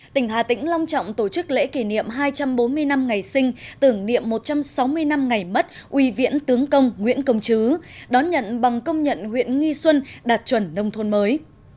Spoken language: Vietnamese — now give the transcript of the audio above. tỉnh hà tĩnh long trọng tổ chức lễ kỷ niệm hai trăm bốn mươi năm ngày sinh tưởng niệm một trăm sáu mươi năm ngày mất uy viễn tướng công nguyễn công chứ đón nhận bằng công nhận huyện nghi xuân đạt chuẩn nông thôn mới